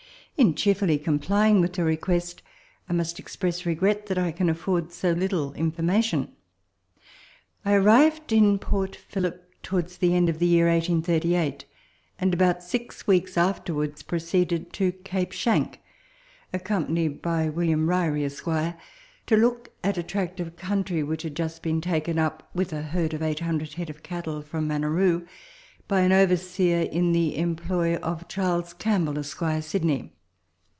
In cheerfully complying with your request, I must express regret that I can afford so little information. I arrived in Port Phillip towards the end of the year 1838, and about six weeks afterwards proceeded to Cape Schanck, accompanied by William Ryrie, Esq., to look at a tract of country which had just been taken up, with a herd of 800 head of cattle from Maneroo, by an overseer in the employ of Charles Campbell, Esq., Sydney.